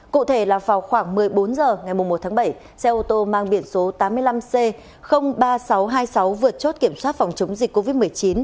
cụ thể là vào khoảng một mươi bốn h ngày một tháng bảy xe ô tô mang biển số tám mươi năm c ba nghìn sáu trăm hai mươi sáu vượt chốt kiểm soát phòng chống dịch covid một mươi chín